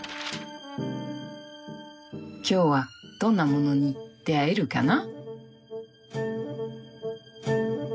今日はどんなものに出会えるかな。